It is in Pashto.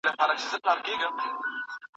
علمي اصول په هر پوهنتون کي بېل دي.